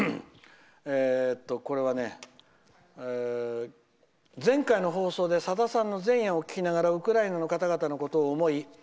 これは前回の放送でさださんの「前夜」を聞きながらウクライナの方々のことを思い